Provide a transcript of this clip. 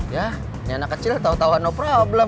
yah ini anak kecil tau tau no problem